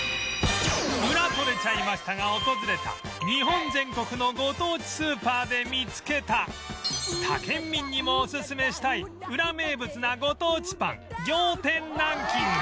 『ウラ撮れちゃいました』が訪れた日本全国のご当地スーパーで見つけた他県民にもおすすめしたいウラ名物なご当地パン仰天ランキング